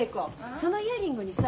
そのイヤリングにさ